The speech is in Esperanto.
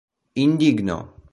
Indigno.